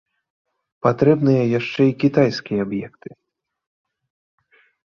Патрэбныя яшчэ і кітайскія аб'екты.